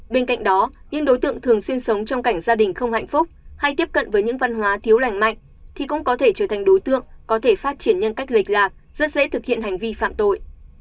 bên cạnh đó những đối tượng thường xuyên sống trong cảnh gia đình không hạnh phúc hay tiếp cận với những văn hóa thiếu lành mạnh thì cũng có thể trở thành đối tượng có thể phát triển nhân cách lệch lạc rất dễ thực hiện hành vi phạm tội